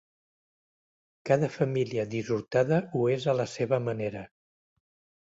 Cada família dissortada ho és a la seva manera.